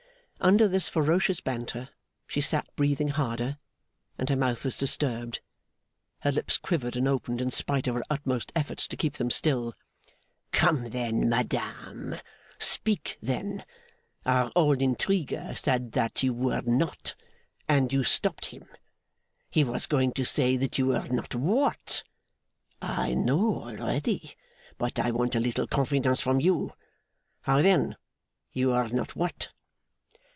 Under this ferocious banter, she sat breathing harder, and her mouth was disturbed. Her lips quivered and opened, in spite of her utmost efforts to keep them still. 'Come then, madame! Speak, then! Our old intriguer said that you were not and you stopped him. He was going to say that you were not what? I know already, but I want a little confidence from you. How, then? You are not what?